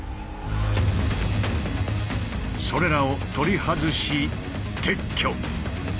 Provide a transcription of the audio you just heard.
それらを取り外し撤去。